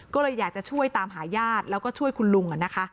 ก็เลยอยากจะช่วยตามหาญาติแล้วก็ช่วยคุณลุง